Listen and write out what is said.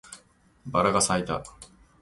バラが咲いた